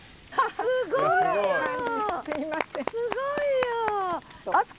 すごいよ。